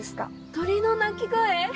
鳥の鳴き声？